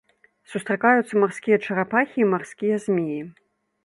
Сустракаюцца марскія чарапахі і марскія змеі.